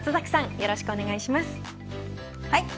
よろしくお願いします。